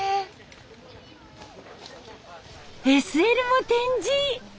ＳＬも展示。